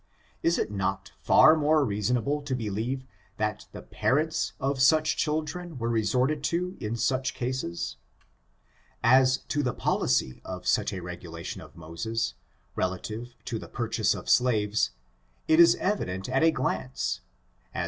Is it not far more reasonable to believe that the parents of such children were resorted to in such cases? As to the policy of such a regulation of Moses, relative to the purchase of slaves, it is evident at a glance k^^^^^^^^^^ ^|0«#^ MMMMMi OllIGIN, CHARACTER, ASD ti ;i